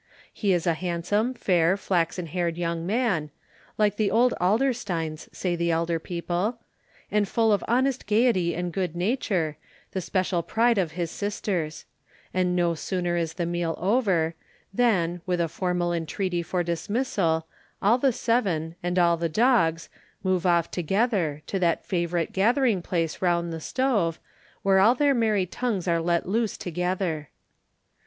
He is a handsome, fair, flaxen haired young man—like the old Adlersteins, say the elder people—and full of honest gaiety and good nature, the special pride of his sisters; and no sooner is the meal over, than, with a formal entreaty for dismissal, all the seven, and all the dogs, move off together, to that favourite gathering place round the stove, where all their merry tongues are let loose together.